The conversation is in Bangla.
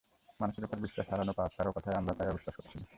মানুষের ওপর বিশ্বাস হারানো পাপ, কারও কথাই আমরা তাই অবিশ্বাস করছি না।